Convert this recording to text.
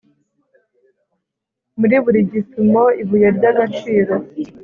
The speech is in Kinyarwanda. Muri buri gipimo ibuye ryagaciro